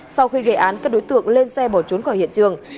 sau khi gây án các đối tượng lên xe bỏ trốn khỏi hiện trường